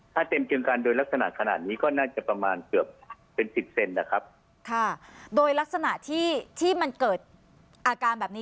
ถ้าเต็มเชืองการโดยลักษณะขนาดนี้ก็น่าจะประมาณ